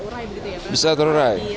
jadi bisa terurang